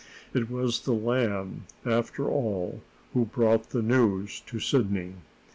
It was the Lamb, after all, who brought the news to Sidney.